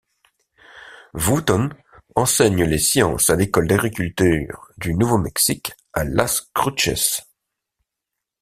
Wooton enseigne les sciences à l’école d’agriculture du Nouveau-Mexique à Las Cruces.